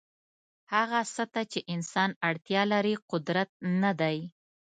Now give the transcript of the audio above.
هغه څه ته چې انسان اړتیا لري قدرت نه دی.